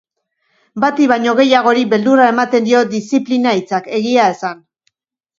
Bati baino gehiagori beldurra ematen dio diziplina hitzak, egia esan.